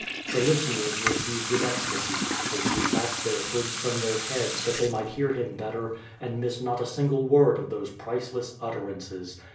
The listeners were seized with ecstasy; they threw back their hoods from their heads that they might hear him better and miss not a single word of those priceless utterances.